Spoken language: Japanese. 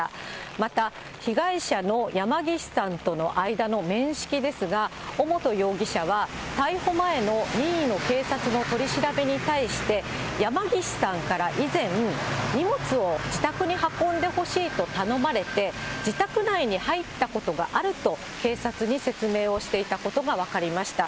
また、被害者の山岸さんとの間の面識ですが、尾本容疑者は逮捕前の任意の警察の取り調べに対して、山岸さんから以前、荷物を自宅に運んでほしいと頼まれて、自宅内に入ったことがあると、警察に説明をしていたことが分かりました。